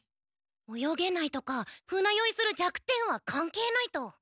泳げないとか船よいする弱点は関係ないと？